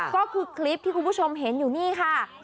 ก็คือคลิปที่คุณผู้ชมเห็นอยู่นี่ค่ะ